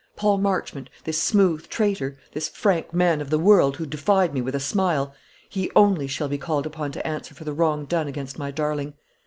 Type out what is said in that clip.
Paul Marchmont, this smooth traitor, this frank man of the world, who defied me with a smile, he only shall be called upon to answer for the wrong done against my darling.